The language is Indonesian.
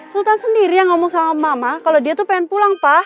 sultan sendiri yang ngomong sama mama kalau dia tuh pengen pulang pak